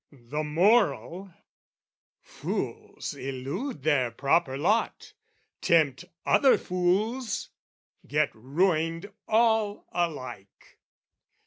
"The moral, fools elude their proper lot, "Tempt other fools, get ruined all alike.